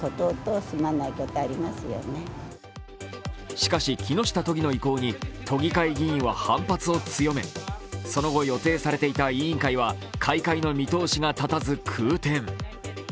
しかし、木下都議の意向に都議会議員は反発を強め、その後、予定されていた委員会は開会の見通しが立たず空転。